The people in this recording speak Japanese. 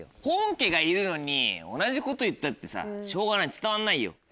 本家がいるのに同じこと言ったってしょうがない伝わんないよ。